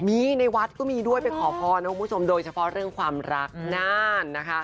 มีในวัดก็มีด้วยไปขอพรนะคุณผู้ชมโดยเฉพาะเรื่องความรักน่านนะคะ